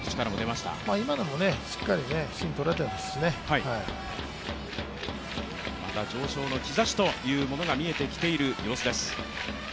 また上昇の兆しというのが見えてきている様子です。